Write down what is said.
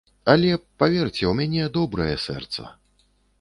Але, паверце, у мяне добрае сэрца.